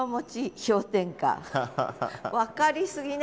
分かりすぎね。